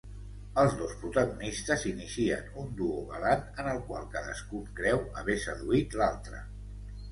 Els dos protagonistes inicien un duo galant en el qual cadascun creu haver seduït l'altre.